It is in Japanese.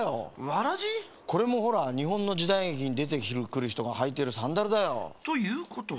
これもほらにほんのじだいげきにでてくるひとがはいてるサンダルだよ。ということは？